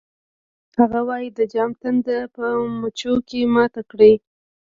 هغه وایی د جام تنده په مچکو ماته کړئ